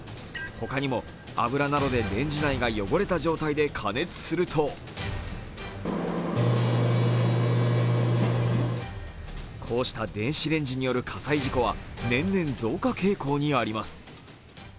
他にも油などでレンジ内が汚れた状態で加熱するとこうした電子レンジによる火災事故は年々増加傾向にあります。